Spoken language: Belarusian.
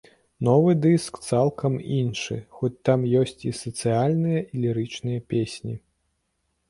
Новы дыск цалкам іншы, хоць там ёсць і сацыяльныя, і лірычныя песні.